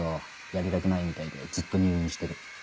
やりたくないみたいでずっと入院してる。